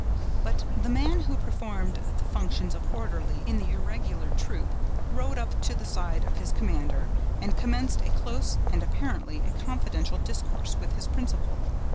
But the man who performed the functions of orderly in the irregular troop, rode up to the side of his commander, and commenced a close and apparently a confidential discourse with his principal.